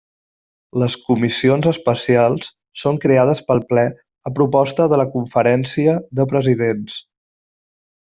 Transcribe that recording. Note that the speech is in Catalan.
Les comissions especials són creades pel ple a proposta de la Conferència de Presidents.